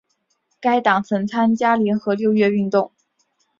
该党曾参加联合六月运动。